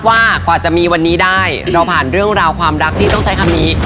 ว่ากว่าจะมีวันนี้ได้เราผ่านเรื่องราวความรักที่ต้องใช้คำนี้